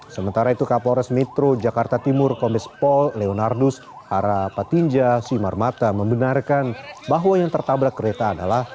sementara itu kapolres metro jakarta timur komis paul leonardus harapatinja simarmata membenarkan bahwa yang tertabrak kereta adalah